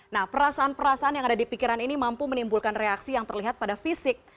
nah perasaan perasaan yang ada di pikiran ini mampu menimbulkan reaksi yang terlihat pada fisik